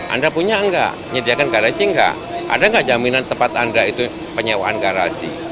anda punya gak nyediakan garasi gak ada gak jaminan tempat anda itu penyewaan garasi